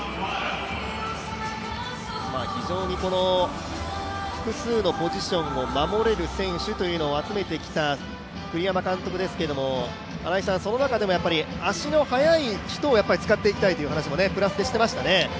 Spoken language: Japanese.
非常に複数のポジションを守れる選手というのを集めてきた栗山監督ですが、その中でも足の速い人を使っていきたいという話もしていましたね。